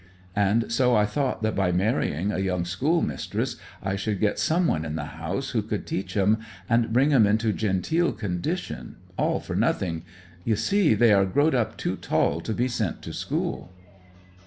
And so I thought that by marrying a young schoolmistress I should get some one in the house who could teach 'em, and bring 'em into genteel condition, all for nothing. You see, they are growed up too tall to be sent to school.'